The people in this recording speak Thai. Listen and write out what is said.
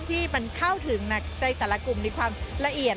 ที่มันเข้าถึงในแต่ละกลุ่มมีความละเอียด